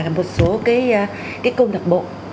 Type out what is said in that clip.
một số công lạc bộ